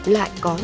lại có nhiều